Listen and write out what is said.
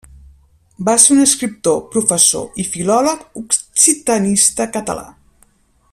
Va ser un escriptor, professor i filòleg occitanista català.